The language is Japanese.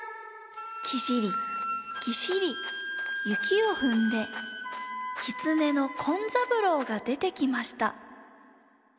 キシリキシリ雪をふんできつねの紺三郎がでてきました。